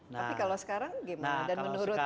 tapi kalau sekarang gimana